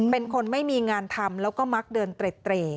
เป็นคนไม่มีงานทำแล้วก็มักเดินเตร่